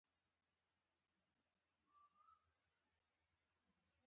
کندهار ولايت